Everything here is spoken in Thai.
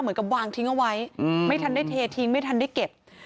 เหมือนกับวางทิ้งเอาไว้ไม่ทันได้เททิ้งไม่ทันได้เก็บ